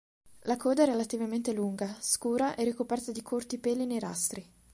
La coda è relativamente lunga, scura e ricoperta di corti peli nerastri.